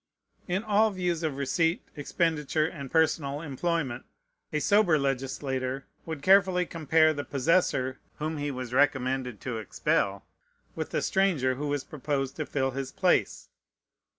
In all the views of receipt, expenditure, and personal employment, a sober legislator would carefully compare the possessor whom he was recommended to expel with the stranger who was proposed to fill his place.